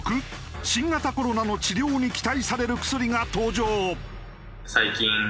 新型コロナの治療に期待される薬が登場。